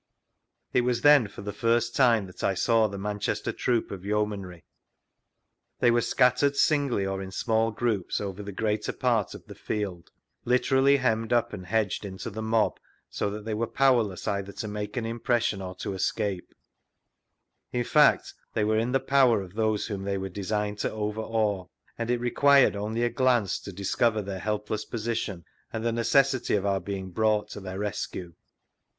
It was then for the first time that I saw the Man* Chester troop of Yeomanry; they were scattered singly or in small groups over the greater part of the field, literally hemmed up and hedged into the mob so that they were powerless either to make an impression or to escape ; in fact, they were in the power of those whom they were designed to overawe, and it required only a glance to discover their helpless position, and the necessity of our being brought to their rescue.